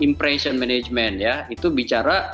impression management ya itu bicara